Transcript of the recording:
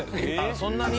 そんなに？